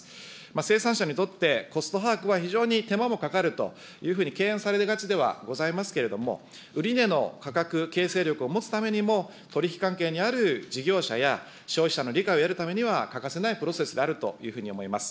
生産者にとってコスト把握は非常に手間もかかるというふうに敬遠されがちではございますけれども、売り値の価格形成力を持つためにも、取り引き関係にある事業者や消費者の理解を得るためには欠かせないプロセスであるというふうに思います。